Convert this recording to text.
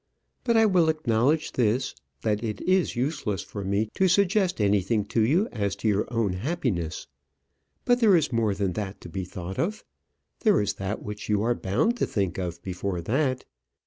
But I will acknowledge this, that it is useless for me to suggest anything to you as to your own happiness. But there is more than that to be thought of. There is that which you are bound to think of before that.